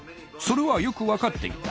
それはよく分かっていた。